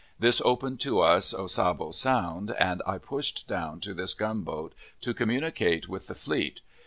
This opened to us Ossabaw Sound, and I pushed down to this gunboat to communicate with the fleet.